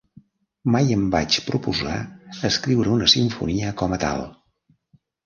Mai em vaig proposar escriure una simfonia com a tal.